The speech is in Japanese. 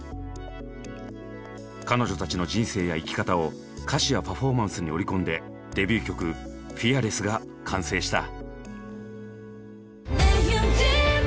彼女たちの人生や生き方を歌詞やパフォーマンスに織り込んでデビュー曲「ＦＥＡＲＬＥＳＳ」が完成した。